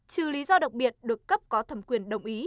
trừ lý do đặc biệt được cấp có thẩm quyền đồng ý